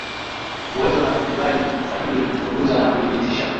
uwezo na kibali sahihi kuchunguza na kuthibitisha